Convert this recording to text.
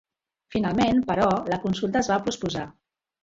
Finalment, però, la consulta es va posposar.